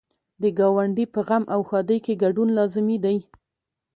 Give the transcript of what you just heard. د ګاونډي په غم او ښادۍ کې ګډون لازمي دی.